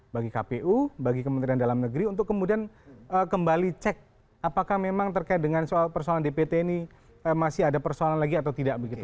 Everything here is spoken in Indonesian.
bagi kpu bagi kementerian dalam negeri untuk kemudian kembali cek apakah memang terkait dengan soal persoalan dpt ini masih ada persoalan lagi atau tidak begitu